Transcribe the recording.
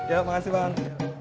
ya makasih bang